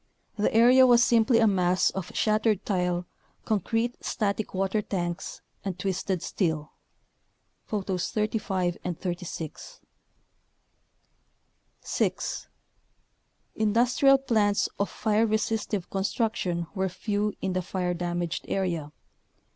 The area was simply a mass of shattered tile, concrete static water tanks, and twisted steel (Photos 35 and 36.) 6. Industrial plants of fire resistive construc tion were few in the fire damaged area.